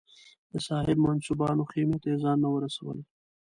د صاحب منصبانو خېمې ته یې ځانونه ورسول.